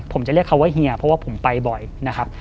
ผมจะเรียกเขาว่าเฮียเพราะว่าผมไปบ่อยนะครับ